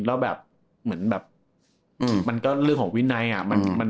แล้วแบบมันก็เรื่องของวิทย์ไนท์อ่ะ